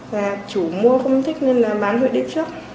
và chủ mua không thích nên là bán huyện đi tiếp trước